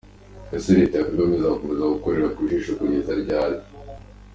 · Ese Leta ya Kagame izakomeza gukorera ku jisho kugeza ryari?